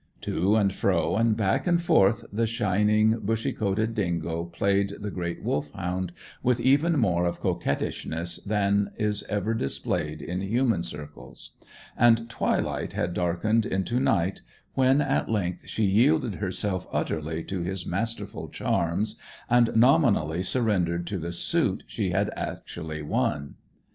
To and fro and back and forth the shining bushy coated dingo played the great Wolfhound with even more of coquettishness than is ever displayed in human circles; and twilight had darkened into night when, at length, she yielded herself utterly to his masterful charms, and nominally surrendered to the suit she had actually won.